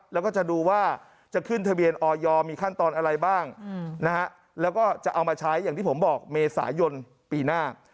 แล้วก็จะดูว่าจะขึ้นทะเบียนออยมีขั้นตอนอะไรบ้างนะฮะแล้วก็จะเอามาใช้อย่างที่ผมบอกเมษายนปีหน้า